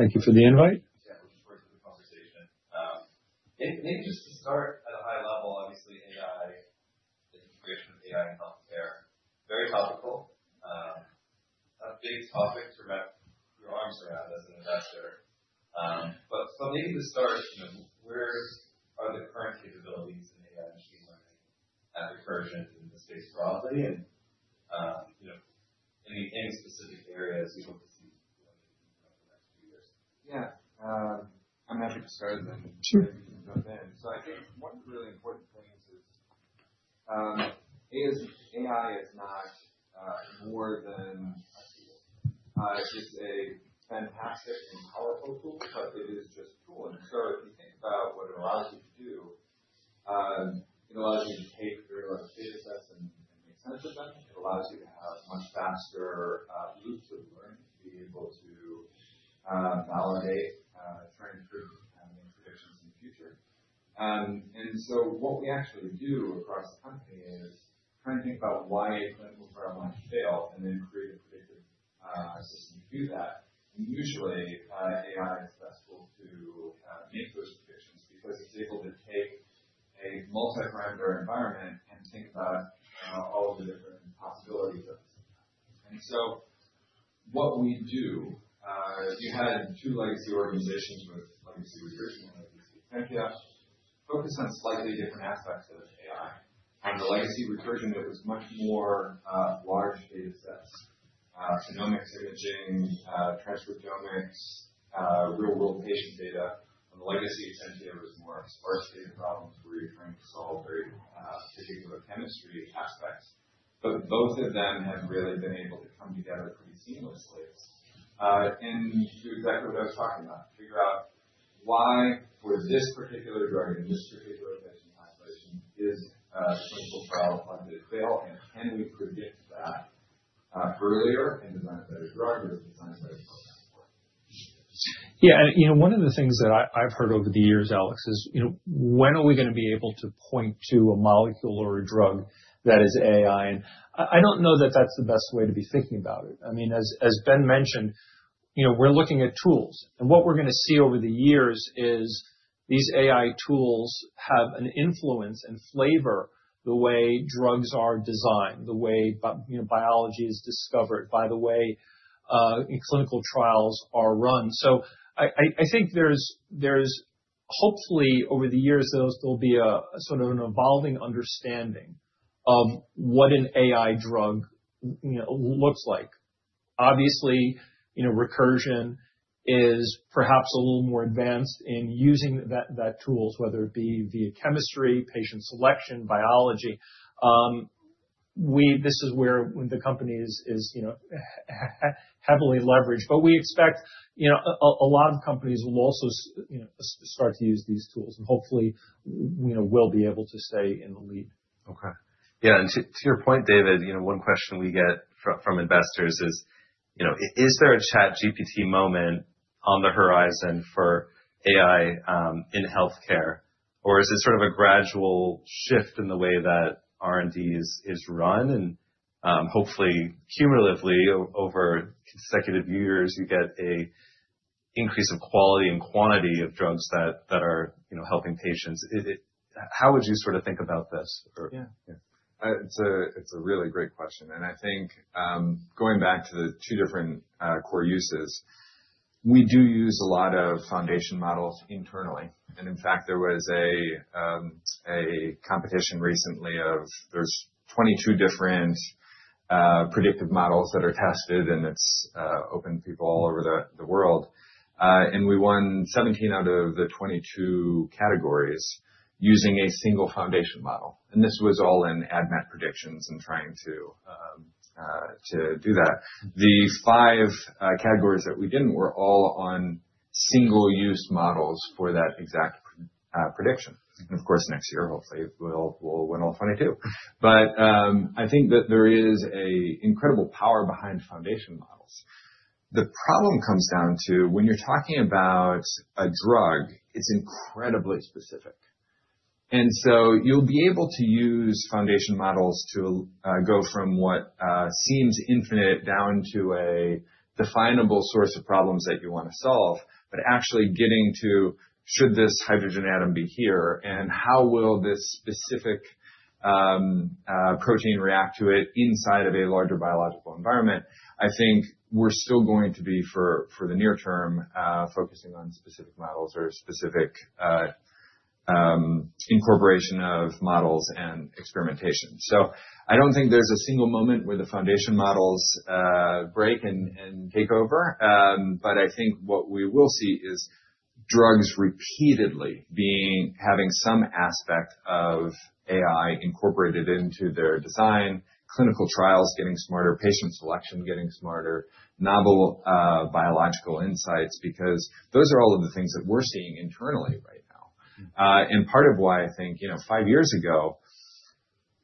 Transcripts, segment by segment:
Thank you for the invite. Yeah, it was great for the conversation. Maybe just to start at a high level, obviously AI, the integration of AI in healthcare, very topical, a big topic to wrap your arms around as an investor. But, but maybe to start, you know, where are the current capabilities in AI machine learning at Recursion in the space broadly? And, you know, any specific areas you hope to see growing in the next few years? Yeah, I'm happy to start and then jump in. So, I think one of the really important things is AI is not more than a tool. It's a fantastic and powerful tool, but it is just a tool, and so if you think about what it allows you to do, it allows you to take very large data sets and make sense of them. It allows you to have much faster loops of learning to be able to validate, train, test and make predictions in the future, and so what we actually do across the company is try and think about why a clinical trial might fail and then create a predictive system to do that, and usually AI is best able to make those predictions because it's able to take a multi-parameter environment and think about all of the different possibilities of this environment. What we do is we had two legacy organizations with legacy Recursion and legacy Exscientia focus on slightly different aspects of AI. On the legacy Recursion, it was much more large data sets, genomics, imaging, transcriptomics, real-world patient data. On the legacy Exscientia, it was more sparse data problems where you are trying to solve very particular chemistry aspects. But both of them have really been able to come together pretty seamlessly. And do exactly what I was talking about, figure out why, for this particular drug and this particular patient population, the clinical trial is likely to fail, and can we predict that earlier and design a better drug or design a better program for it? Yeah, and you know, one of the things that I've heard over the years, Alex, is, you know, when are we gonna be able to point to a molecule or a drug that is AI? And I don't know that that's the best way to be thinking about it. I mean, as Ben mentioned, you know, we're looking at tools, and what we're gonna see over the years is these AI tools have an influence and flavor the way drugs are designed, the way, you know, biology is discovered, by the way, clinical trials are run. So I think there's hopefully over the years there'll be a sort of an evolving understanding of what an AI drug, you know, looks like. Obviously, you know, Recursion is perhaps a little more advanced in using that tools, whether it be via chemistry, patient selection, biology. We, this is where the company is, you know, heavily leveraged, but we expect, you know, a lot of companies will also, you know, start to use these tools, and hopefully, you know, we'll be able to stay in the lead. Okay. Yeah, and to your point, David, you know, one question we get from investors is, you know, is there a ChatGPT moment on the horizon for AI in healthcare, or is it sort of a gradual shift in the way that R&D is run? And hopefully cumulatively over consecutive years, you get an increase of quality and quantity of drugs that are, you know, helping patients. It, how would you sort of think about this? Or, yeah. Yeah, it's a really great question, and I think going back to the two different core uses, we do use a lot of foundation models internally. In fact, there was a competition recently. There's 22 different predictive models that are tested, and it's open to people all over the world, and we won 17 out of the 22 categories using a single foundation model. This was all in ADMET predictions and trying to do that. The five categories that we didn't were all on single-use models for that exact prediction. Of course, next year, hopefully we'll win all 22, but I think that there is an incredible power behind foundation models. The problem comes down to when you're talking about a drug. It's incredibly specific. And so you'll be able to use foundation models to go from what seems infinite down to a definable source of problems that you wanna solve, but actually getting to should this hydrogen atom be here and how will this specific protein react to it inside of a larger biological environment? I think we're still going to be for the near term focusing on specific models or specific incorporation of models and experimentation. So I don't think there's a single moment where the foundation models break and take over. But I think what we will see is drugs repeatedly being having some aspect of AI incorporated into their design, clinical trials getting smarter, patient selection getting smarter, novel biological insights because those are all of the things that we're seeing internally right now. And part of why I think, you know, five years ago,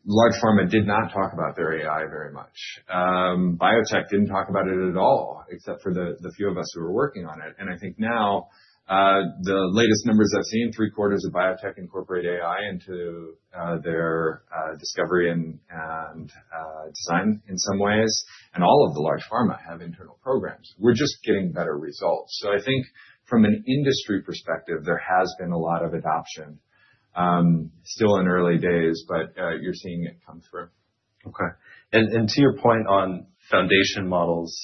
large pharma did not talk about their AI very much. Biotech didn't talk about it at all, except for the few of us who were working on it. And I think now, the latest numbers I've seen, three quarters of biotech incorporate AI into their discovery and design in some ways. And all of the large pharma have internal programs. We're just getting better results. So I think from an industry perspective, there has been a lot of adoption. Still in early days, but you're seeing it come through. Okay. And to your point on foundation models,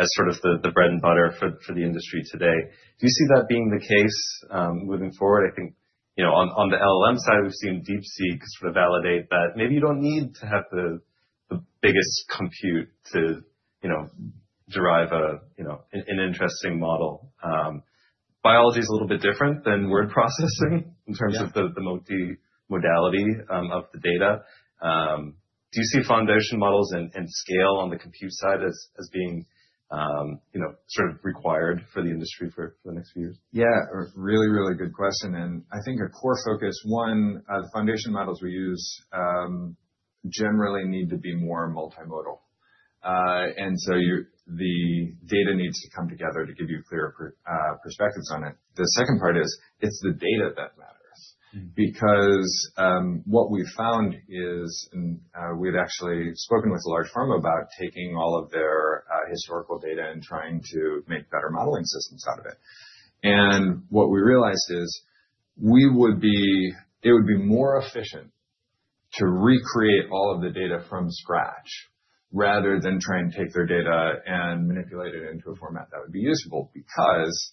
as sort of the bread and butter for the industry today, do you see that being the case, moving forward? I think, you know, on the LLM side, we've seen DeepSeek sort of validate that maybe you don't need to have the biggest compute to, you know, derive an interesting model. Biology's a little bit different than word processing in terms of the multi-modality of the data. Do you see foundation models and scale on the compute side as being, you know, sort of required for the industry for the next few years? Yeah, really, really good question. And I think a core focus, one, the foundation models we use, generally need to be more multimodal. And so you're, the data needs to come together to give you clearer perspectives on it. The second part is it's the data that matters. Mm-hmm. Because what we've found is we've actually spoken with large pharma about taking all of their historical data and trying to make better modeling systems out of it, and what we realized is it would be more efficient to recreate all of the data from scratch rather than try and take their data and manipulate it into a format that would be usable because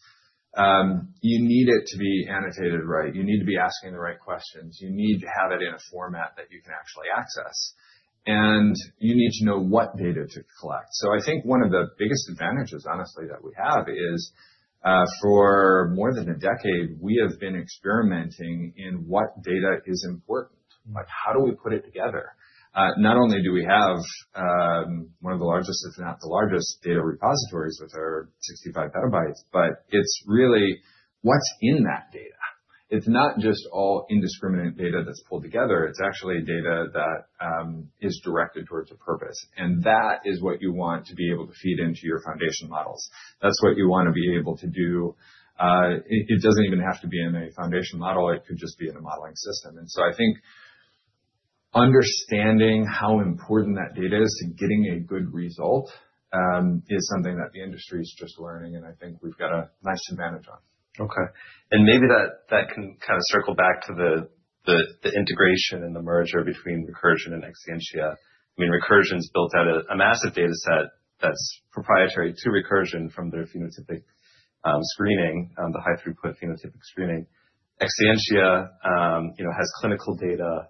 you need it to be annotated right. You need to be asking the right questions. You need to have it in a format that you can actually access, and you need to know what data to collect, so I think one of the biggest advantages, honestly, that we have is for more than a decade we have been experimenting in what data is important. Mm-hmm. Like how do we put it together? Not only do we have one of the largest, if not the largest, data repositories with our 65 petabytes, but it's really what's in that data. It's not just all indiscriminate data that's pulled together. It's actually data that is directed towards a purpose, and that is what you want to be able to feed into your foundation models. That's what you wanna be able to do. It, it doesn't even have to be in a foundation model. It could just be in a modeling system. And so I think understanding how important that data is to getting a good result is something that the industry's just learning, and I think we've got a nice advantage on. Okay. Maybe that can kind of circle back to the integration and the merger between Recursion and Exscientia. I mean, Recursion's built out a massive data set that's proprietary to Recursion from their phenotypic screening, the high-throughput phenotypic screening. Exscientia, you know, has clinical data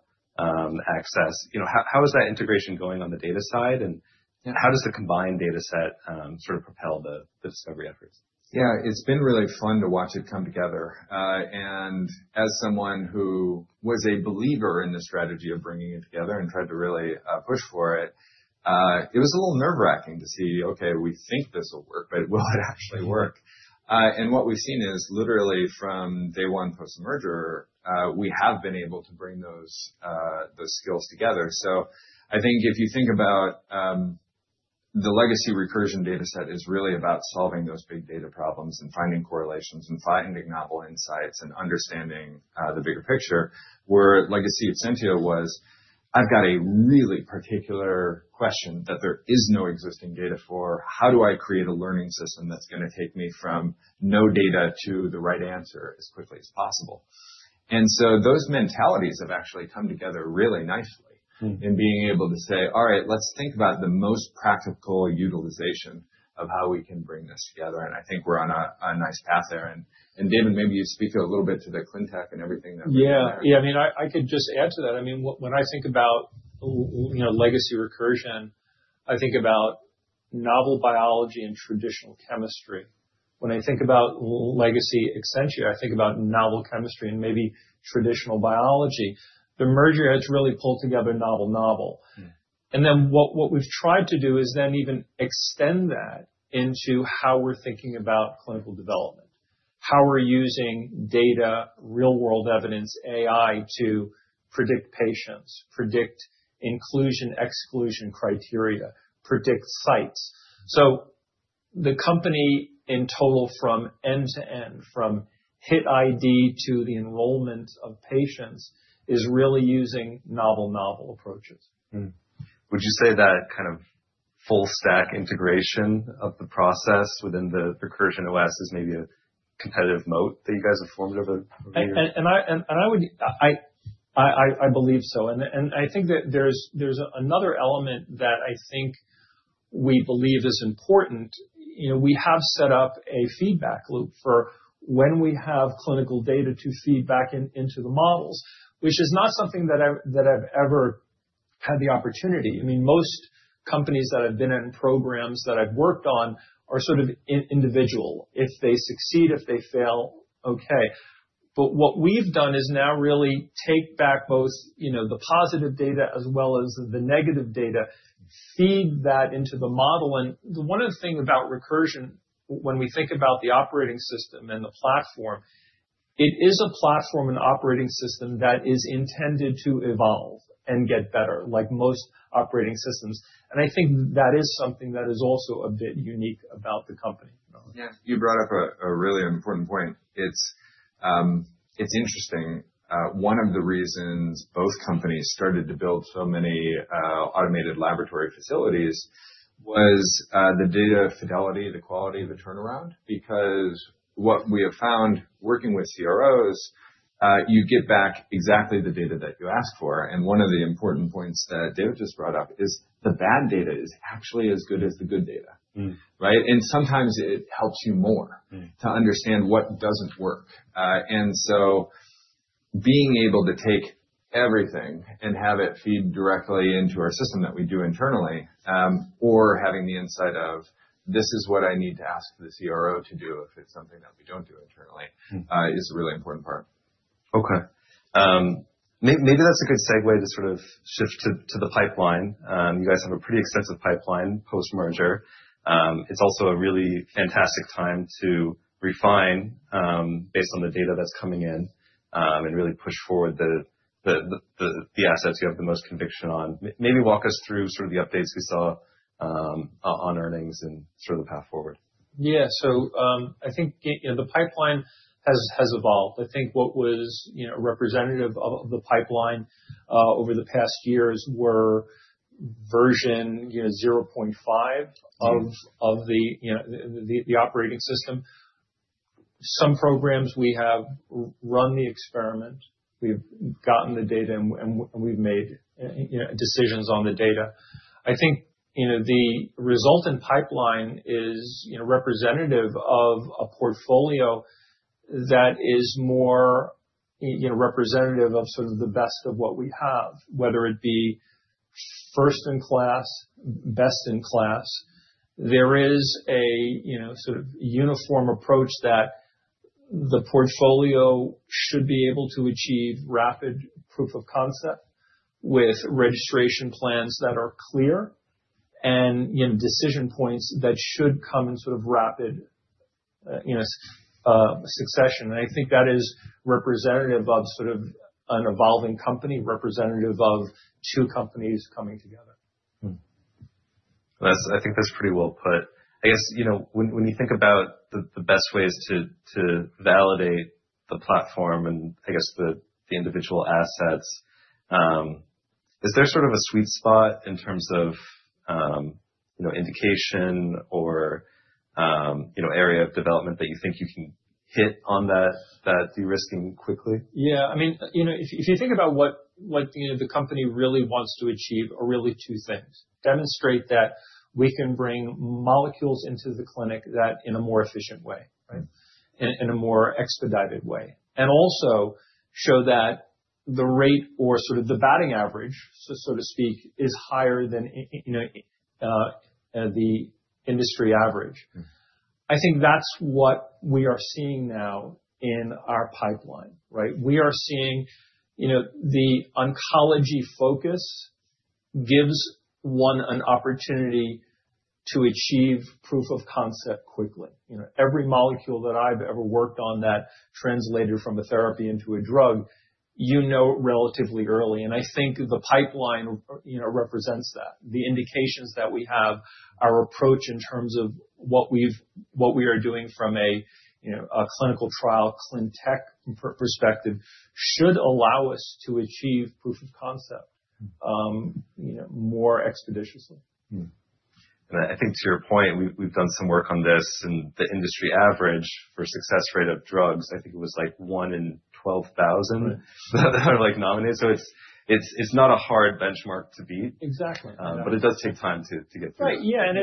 access. You know, how is that integration going on the data side and? Yeah. How does the combined data set, sort of propel the, the discovery efforts? Yeah, it's been really fun to watch it come together, and as someone who was a believer in the strategy of bringing it together and tried to really push for it, it was a little nerve-wracking to see, okay, we think this will work, but will it actually work, and what we've seen is literally from day one post-merger, we have been able to bring those, those skills together. So I think if you think about, the legacy Recursion data set is really about solving those big data problems and finding correlations and finding novel insights and understanding the bigger picture, where legacy Exscientia was, I've got a really particular question that there is no existing data for. How do I create a learning system that's gonna take me from no data to the right answer as quickly as possible, and so those mentalities have actually come together really nicely. Mm-hmm. In being able to say, all right, let's think about the most practical utilization of how we can bring this together. And I think we're on a nice path there. And David, maybe you speak to a little bit to the ClinTech and everything that we're doing there. Yeah, yeah, I mean, I could just add to that. I mean, what, when I think about, you know, legacy Recursion, I think about novel biology and traditional chemistry. When I think about legacy Exscientia, I think about novel chemistry and maybe traditional biology. The merger has really pulled together novel, novel. Mm-hmm. What we've tried to do is then even extend that into how we're thinking about clinical development, how we're using data, real-world evidence, AI to predict patients, predict inclusion, exclusion criteria, predict sites, so the company in total from end to end, from hit ID to the enrollment of patients is really using novel, novel approaches. Mm-hmm. Would you say that kind of full-stack integration of the process within the Recursion OS is maybe a competitive moat that you guys have formed over a year? I believe so. I think that there's another element that we believe is important. You know, we have set up a feedback loop for when we have clinical data to feed back into the models, which is not something that I've ever had the opportunity. I mean, most companies that I've been in, programs that I've worked on are sort of individual. If they succeed, if they fail, okay. But what we've done is now really take back both, you know, the positive data as well as the negative data, feed that into the model. The one other thing about Recursion, when we think about the operating system and the platform, it is a platform and operating system that is intended to evolve and get better, like most operating systems. I think that is something that is also a bit unique about the company. Yeah. You brought up a really important point. It's interesting. One of the reasons both companies started to build so many automated laboratory facilities was the data fidelity, the quality of the turnaround, because what we have found working with CROs, you get back exactly the data that you asked for. And one of the important points that David just brought up is the bad data is actually as good as the good data. Mm-hmm. Right, and sometimes it helps you more. Mm-hmm. To understand what doesn't work, and so being able to take everything and have it feed directly into our system that we do internally, or having the insight of this is what I need to ask the CRO to do if it's something that we don't do internally. Mm-hmm. is a really important part. Okay. Maybe that's a good segue to sort of shift to the pipeline. You guys have a pretty extensive pipeline post-merger. It's also a really fantastic time to refine, based on the data that's coming in, and really push forward the assets you have the most conviction on. Maybe walk us through sort of the updates we saw on earnings and sort of the path forward. Yeah. So, I think, you know, the pipeline has evolved. I think what was, you know, representative of the pipeline over the past years were version 0.5 of the operating system. Some programs we have run the experiment, we've gotten the data and we've made, you know, decisions on the data. I think, you know, the resultant pipeline is, you know, representative of a portfolio that is more, you know, representative of sort of the best of what we have, whether it be first in class, best in class. There is a, you know, sort of uniform approach that the portfolio should be able to achieve rapid proof of concept with registration plans that are clear and, you know, decision points that should come in sort of rapid, you know, succession. I think that is representative of sort of an evolving company, representative of two companies coming together. That's, I think that's pretty well put. I guess, you know, when you think about the best ways to validate the platform and I guess the individual assets, is there sort of a sweet spot in terms of, you know, indication or, you know, area of development that you think you can hit on that de-risking quickly? Yeah. I mean, you know, if you think about what you know, the company really wants to achieve are really two things: demonstrate that we can bring molecules into the clinic that in a more efficient way, right? Mm-hmm. In a more expedited way. Also show that the rate or sort of the batting average, so to speak, is higher than, you know, the industry average. Mm-hmm. I think that's what we are seeing now in our pipeline, right? We are seeing, you know, the oncology focus gives one an opportunity to achieve proof of concept quickly. You know, every molecule that I've ever worked on that translated from a therapy into a drug, you know, relatively early, and I think the pipeline, you know, represents that. The indications that we have, our approach in terms of what we are doing from a, you know, clinical trial ClinTech perspective should allow us to achieve proof of concept. Mm-hmm. You know, more expeditiously. I think to your point, we've done some work on this and the industry average for success rate of drugs. I think it was like one in 12,000 that are like nominated. It's not a hard benchmark to beat. Exactly. but it does take time to get through. Right. Yeah. And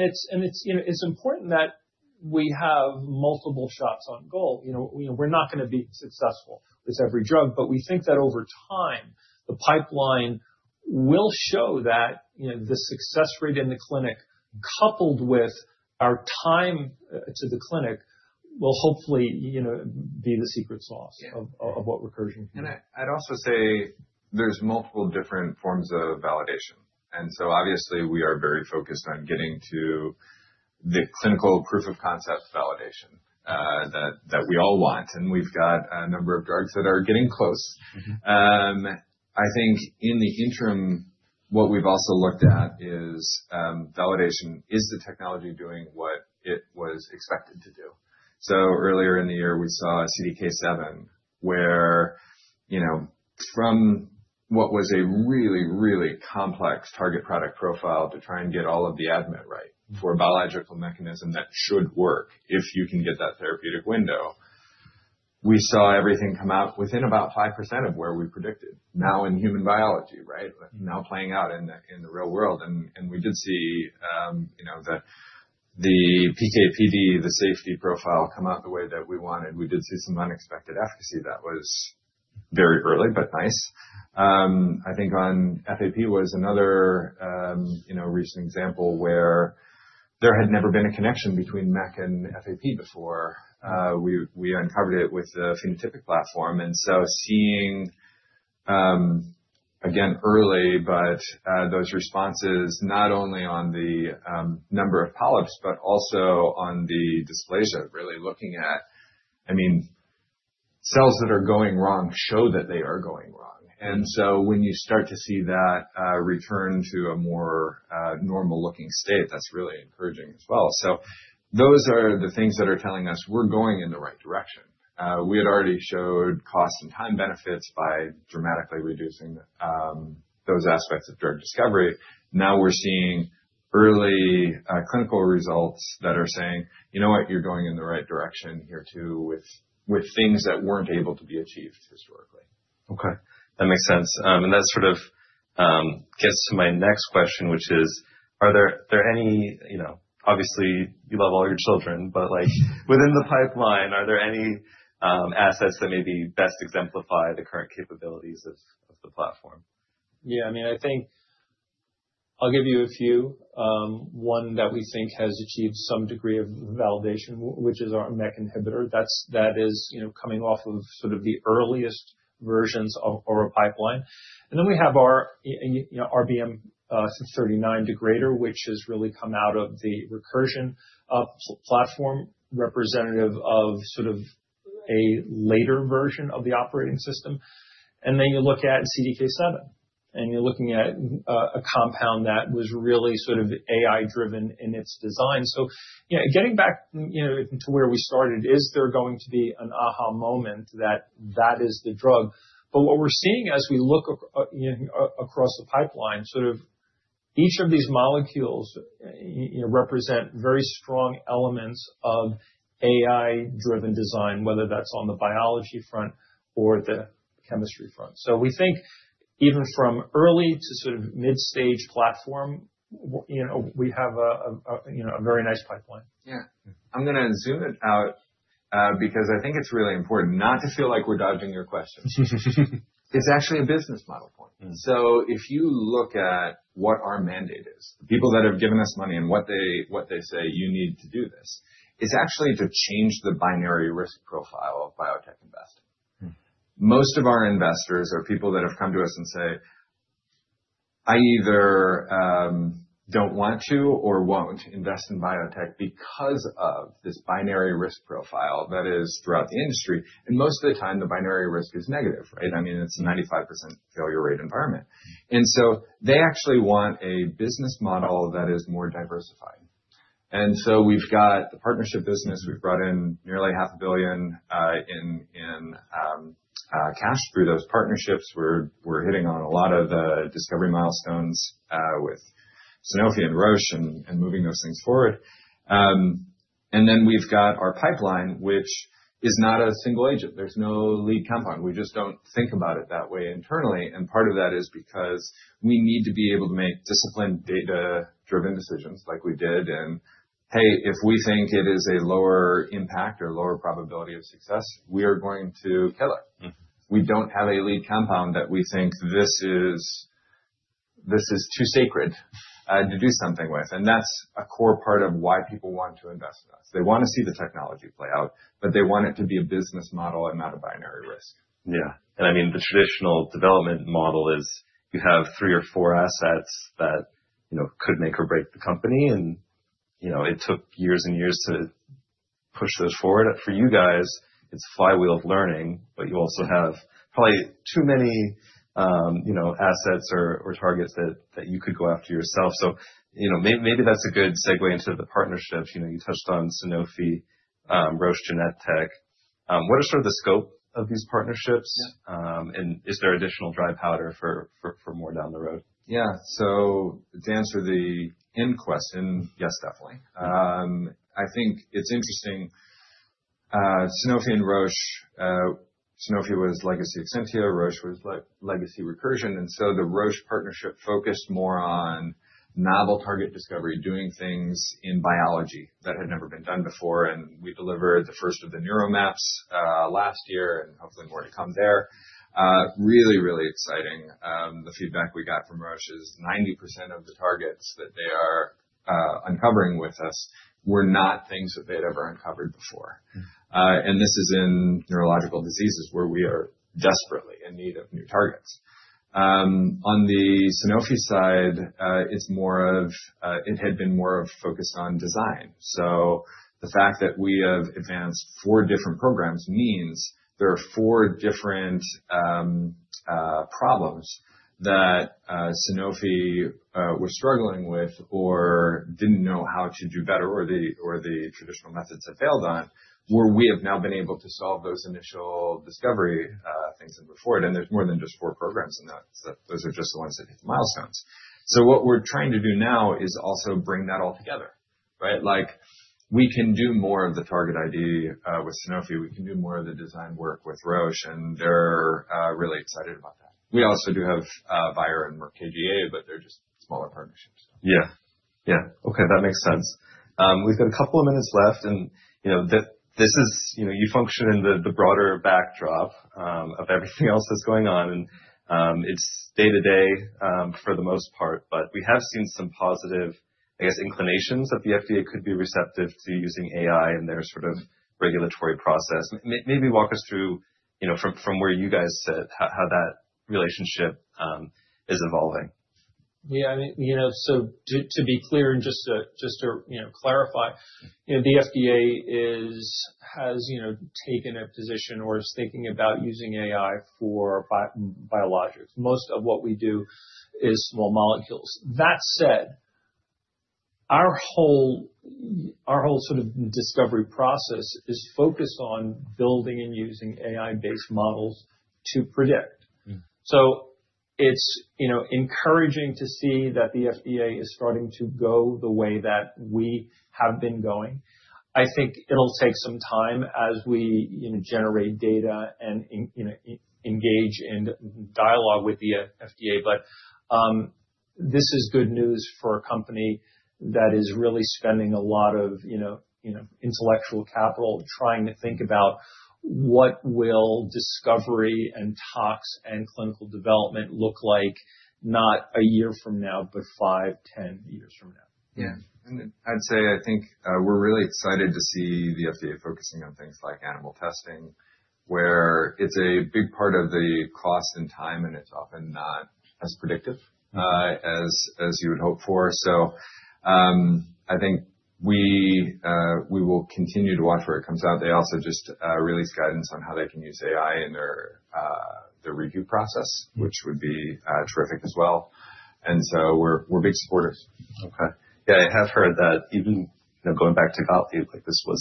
it's, you know, it's important that we have multiple shots on goal. You know, we're not gonna be successful with every drug, but we think that over time the pipeline will show that, you know, the success rate in the clinic coupled with our time to the clinic will hopefully, you know, be the secret sauce. Yeah. Of what Recursion can do. I, I'd also say there's multiple different forms of validation, and so obviously we are very focused on getting to the clinical proof of concept validation, that we all want, and we've got a number of drugs that are getting close. Mm-hmm. I think in the interim, what we've also looked at is validation is the technology doing what it was expected to do. So earlier in the year, we saw a CDK7 where, you know, from what was a really, really complex target product profile to try and get all of the ADMET right. Mm-hmm. For a biological mechanism that should work if you can get that therapeutic window, we saw everything come out within about 5% of where we predicted. Now in human biology, right? Now playing out in the in the real world. And, and we did see, you know, that the PK/PD, the safety profile come out the way that we wanted. We did see some unexpected efficacy that was very early, but nice. I think on FAP was another, you know, recent example where there had never been a connection between MEK and FAP before. We, we uncovered it with the phenotypic platform. And so seeing, again, early, but, those responses not only on the, number of polyps, but also on the dysplasia, really looking at, I mean, cells that are going wrong show that they are going wrong. And so when you start to see that return to a more normal looking state, that's really encouraging as well. So those are the things that are telling us we're going in the right direction. We had already showed cost and time benefits by dramatically reducing those aspects of drug discovery. Now we're seeing early clinical results that are saying, you know what, you're going in the right direction here too with things that weren't able to be achieved historically. Okay. That makes sense. And that sort of gets to my next question, which is, are there any, you know, obviously you love all your children, but like within the pipeline, are there any assets that maybe best exemplify the current capabilities of the platform? Yeah. I mean, I think I'll give you a few. One that we think has achieved some degree of validation, which is our MEK inhibitor. That's, that is, you know, coming off of sort of the earliest versions of our pipeline. And then we have our, you know, RBM39 degrader, which has really come out of the Recursion platform, representative of sort of a later version of the operating system. And then you look at CDK7 and you're looking at a compound that was really sort of AI driven in its design. So, you know, getting back, you know, to where we started, is there going to be an aha moment that that is the drug? But what we're seeing as we look across the pipeline, sort of each of these molecules, you know, represent very strong elements of AI-driven design, whether that's on the biology front or the chemistry front. So we think even from early to sort of mid-stage platform, you know, we have a, you know, a very nice pipeline. Yeah. I'm gonna zoom it out, because I think it's really important not to feel like we're dodging your questions. It's actually a business model point. Mm-hmm. So if you look at what our mandate is, the people that have given us money and what they say you need to do this, it's actually to change the binary risk profile of biotech investing. Mm-hmm. Most of our investors are people that have come to us and say, I either don't want to or won't invest in biotech because of this binary risk profile that is throughout the industry. And most of the time the binary risk is negative, right? I mean, it's a 95% failure rate environment. And so they actually want a business model that is more diversified. And so we've got the partnership business. We've brought in nearly $500 million in cash through those partnerships. We're hitting on a lot of the discovery milestones with Sanofi and Roche and moving those things forward, and then we've got our pipeline, which is not a single agent. There's no lead compound. We just don't think about it that way internally. And part of that is because we need to be able to make disciplined data driven decisions like we did. Hey, if we think it is a lower impact or lower probability of success, we are going to kill it. Mm-hmm. We don't have a lead compound that we think this is. This is too sacred to do something with, and that's a core part of why people want to invest in us. They wanna see the technology play out, but they want it to be a business model and not a binary risk. Yeah. And I mean, the traditional development model is you have three or four assets that, you know, could make or break the company. And, you know, it took years and years to push those forward. For you guys, it's a flywheel of learning, but you also have probably too many, you know, assets or targets that you could go after yourself. So, you know, maybe that's a good segue into the partnerships. You know, you touched on Sanofi, Roche, Genentech. What are sort of the scope of these partnerships? Yeah. and is there additional dry powder for more down the road? Yeah. So to answer the question, yes, definitely. I think it's interesting, Sanofi and Roche. Sanofi was legacy Exscientia, Roche was legacy Recursion. And so the Roche partnership focused more on novel target discovery, doing things in biology that had never been done before. And we delivered the first of the neuro maps last year and hopefully more to come there. Really, really exciting. The feedback we got from Roche is 90% of the targets that they are uncovering with us were not things that they had ever uncovered before. Mm-hmm. And this is in neurological diseases where we are desperately in need of new targets. On the Sanofi side, it's more of it had been more focused on design. So the fact that we have advanced four different programs means there are four different problems that Sanofi was struggling with or didn't know how to do better or the traditional methods had failed on, where we have now been able to solve those initial discovery things and move forward. And there's more than just four programs in that, those are just the ones that hit the milestones. So what we're trying to do now is also bring that all together, right? Like we can do more of the target ID with Sanofi. We can do more of the design work with Roche. And they're really excited about that. We also do have Bayer and Merck KGaA, but they're just smaller partnerships. Yeah. Yeah. Okay. That makes sense. We've got a couple of minutes left and, you know, that this is, you know, you function in the broader backdrop of everything else that's going on, and it's day to day, for the most part, but we have seen some positive, I guess, inclinations that the FDA could be receptive to using AI in their sort of regulatory process. Maybe walk us through, you know, from where you guys sit, how that relationship is evolving. Yeah. I mean, you know, so to be clear and just to you know, clarify, you know, the FDA is has you know taken a position or is thinking about using AI for biologics. Most of what we do is small molecules. That said, our whole sort of discovery process is focused on building and using AI based models to predict. Mm-hmm. So it's, you know, encouraging to see that the FDA is starting to go the way that we have been going. I think it'll take some time as we, you know, generate data and, you know, engage in dialogue with the FDA. But this is good news for a company that is really spending a lot of, you know, you know, intellectual capital trying to think about what will discovery and tech and clinical development look like, not a year from now, but five, 10 years from now. Yeah. And I'd say, I think, we're really excited to see the FDA focusing on things like animal testing, where it's a big part of the cost and time, and it's often not as predictive as you would hope for. So, I think we will continue to watch where it comes out. They also just released guidance on how they can use AI in their review process, which would be terrific as well. And so we're big supporters. Okay. Yeah. I have heard that even, you know, going back to Gottlieb, like this was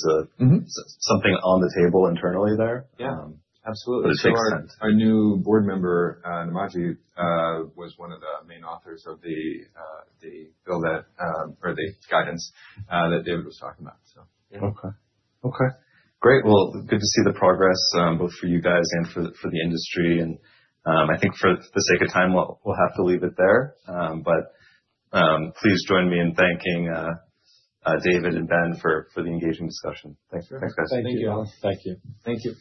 something on the table internally there. Yeah. Absolutely. But it takes our new board member, Najat Khan, was one of the main authors of the bill that, or the guidance, that David was talking about. So, yeah. Okay. Great. Well, good to see the progress, both for you guys and for the industry. And, I think for the sake of time, we'll have to leave it there. But, please join me in thanking David and Ben for the engaging discussion. Thanks. Thanks, guys. Thank you. Thank you.